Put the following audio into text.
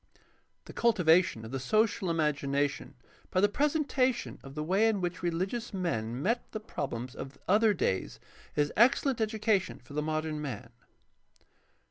The cultivation of the social imagination by the presentation of the way in which reHgious men met the problems of other days is excellent education for the modern man.